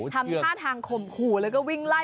ทำท่าทางข่มขู่แล้วก็วิ่งไล่